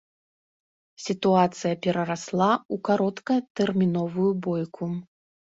Сітуацыя перарасла ў кароткатэрміновую бойку.